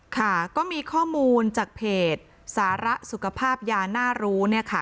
ค่ะก็มีข้อมูลจากเพจสาระสุขภาพยาน่ารู้เนี่ยค่ะ